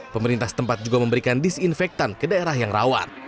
pemerintah setempat juga memberikan disinfektan ke daerah yang rawan